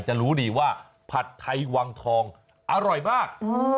จะรู้ดีว่าผัดไทยวังทองอร่อยมาก